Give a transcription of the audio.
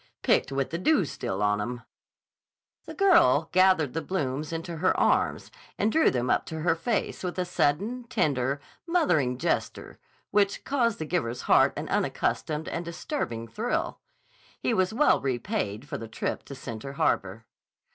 "Picked with the dew still on 'em." The girl gathered the blooms into her arms and drew them up to her face with a sudden, tender, mothering gesture which caused the giver's heart an unaccustomed and disturbing thrill. He was well repaid for the trip to Center Harbor.